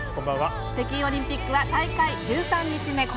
北京オリンピックは大会１３日目。